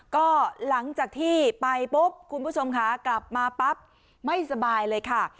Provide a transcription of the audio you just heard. ก็หลังจากที่ไปปุ๊บคุณผู้ชมค่ะกลับมาปั๊บไม่สบายเลยค่ะ